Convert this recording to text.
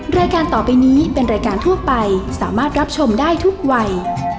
รายการต่อไปนี้เป็นรายการทั่วไปสามารถรับชมได้ทุกวัย